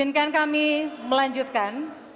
izinkan kami melanjutkan